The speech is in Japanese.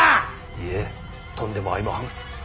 いえとんでもあいもはん。